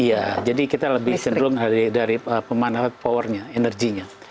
iya jadi kita lebih cenderung dari pemanfaat powernya energinya